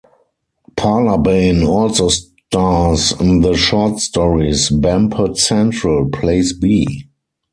Parlabane also stars in the short stories "Bampot Central", "Place B.